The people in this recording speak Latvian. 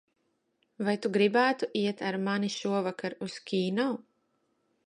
Vai tu gribētu iet ar mani šovakar uz kino?